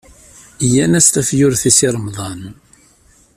Gan-as tafgurt i Si Remḍan.